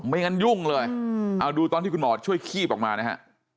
ไม่งั้นยุ่งเลยเอาดูตอนที่คุณหมอช่วยคีบออกมานะฮะ